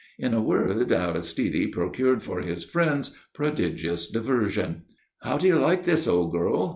In a word, Aristide procured for his friends prodigious diversion. "How do you like this, old girl?"